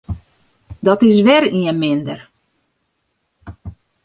Dat is wer ien minder.